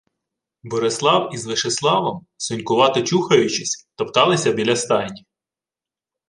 Борислав із Вишеславом, сонькувато чухаючись, топталися біля стайні.